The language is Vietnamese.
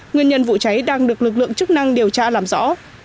nguyên nhân vụ cháy đang được lực lượng chức năng điều tra làm rõ